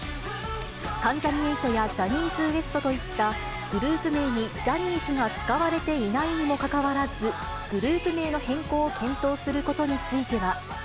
関ジャニ∞やジャニーズＷＥＳＴといったグループ名にジャニーズが使われていないにもかかわらず、グループ名の変更を検討することについては。